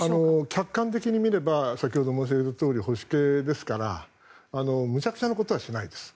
客観的に見れば先ほど申し上げたとおり保守系ですから無茶苦茶なことはしないです。